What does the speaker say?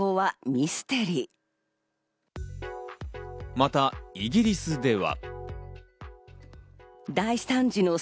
またイギリスでは。